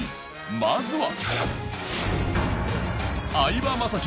まずは